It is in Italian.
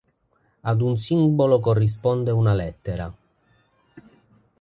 Ad un simbolo corrisponde una lettera.